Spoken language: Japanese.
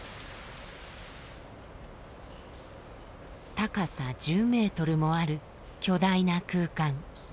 高さ１０ｍもある巨大な空間。